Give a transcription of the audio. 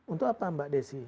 untuk apa mbak desi